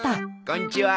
こんにちは。